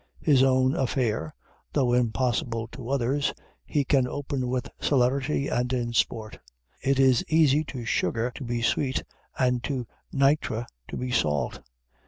His own affair, though impossible to others, he can open with celerity and in sport. It is easy to sugar to be sweet, and to nitre to be salt.